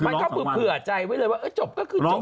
มันก็เผื่อใจไว้เลยว่าจบจริง